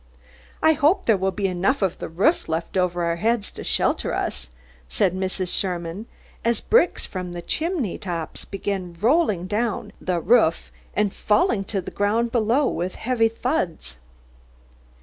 "I hope there will be enough of a roof left over our heads to shelter us," said Mrs. Sherman, as bricks from the chimney tops began rolling down the roof and falling to the ground below with heavy thuds.